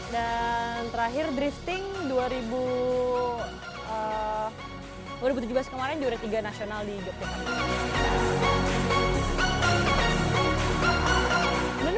dan terakhir drifting dua ribu tujuh belas kemarin juara tiga nasional di yogyakarta